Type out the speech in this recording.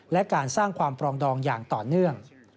และการสร้างความปรองดองอย่างต่อเนื่อง